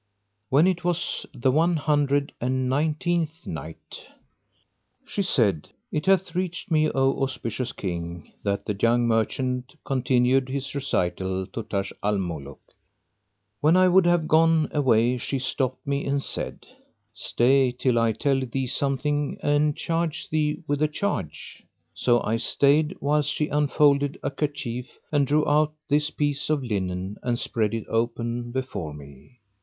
When it was the One Hundred and Nineteenth Night, She said, It hath reached me, O auspicious King, that the young merchant continued his recital to Taj al Muluk: "When I would have gone away, she stopped me and said, "Stay, till I tell thee something and charge thee with a charge." So I stayed whilst she unfolded a kerchief and drew out this piece of linen and spread it open before me.